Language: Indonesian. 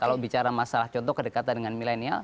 kalau bicara masalah contoh kedekatan dengan milenial